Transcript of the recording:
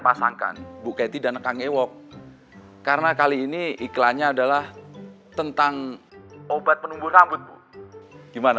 pasangkan bukai dan akan e work karena kali ini iklannya adalah tentang obat penumbuh rambut gimana